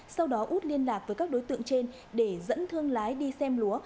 sau đó út liên lạc với các đối tượng trên để dẫn thương lái đi xem lúa